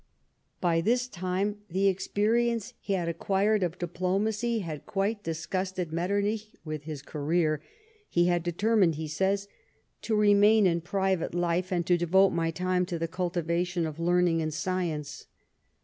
By this time the experience he had acquired of diplo macy had quite disgusted Metternich with his career. He had determined, he says, " to remain in private life, and to devote my time to the cultivation of learning and science."